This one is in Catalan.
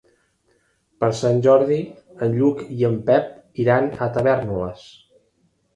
Per Sant Jordi en Lluc i en Pep iran a Tavèrnoles.